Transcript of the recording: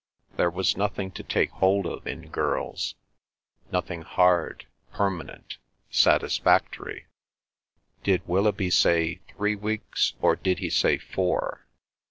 There was nothing to take hold of in girls—nothing hard, permanent, satisfactory. Did Willoughby say three weeks, or did he say four?